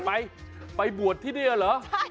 ไปไปบวชที่นี่เหรอ